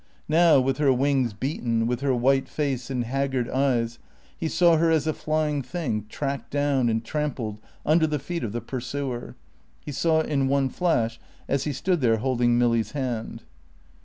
Now, with her wings beaten, with her white face and haggard eyes, he saw her as a flying thing tracked down and trampled under the feet of the pursuer. He saw it in one flash as he stood there holding Milly's hand.